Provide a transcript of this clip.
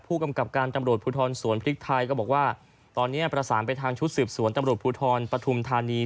ผู้กำกับการตำรวจภูทรสวนพริกไทยก็บอกว่าตอนนี้ประสานไปทางชุดสืบสวนตำรวจภูทรปฐุมธานี